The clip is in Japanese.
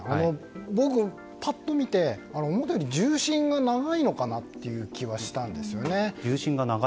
僕、パッと見て思ったより銃身が長いのかなという気がしたんですよね。